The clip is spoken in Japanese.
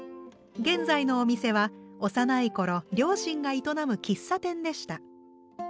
現在のお店は幼い頃両親が営む喫茶店でした。